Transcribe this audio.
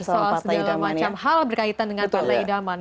soal segala macam hal berkaitan dengan partai idaman